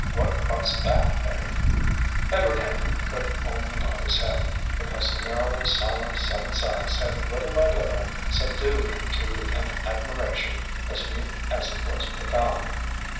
What price that, eh?" Edward Henry could only nod his head. The customarily silent Seven Sachs had little by little subdued him to an admiration as mute as it was profound.